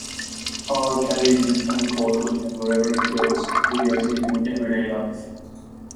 R carries his camcorder with him wherever he goes, videotaping everyday life.